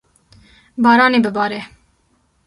Baran ê bibare.